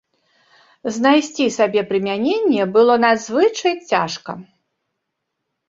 Знайсці сабе прымяненне было надзвычай цяжка.